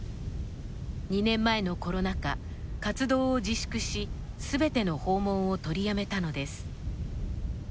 ２年前のコロナ禍活動を自粛し全ての訪問を取りやめたのです。